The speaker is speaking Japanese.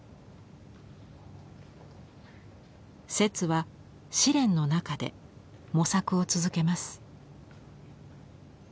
摂は試練の中で模索を続けます。